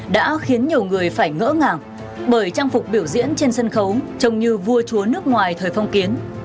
đã khiến nhiều người phải ngỡ ngàng bởi trang phục biểu diễn trên sân khấu trông như vua chúa nước ngoài thời phong kiến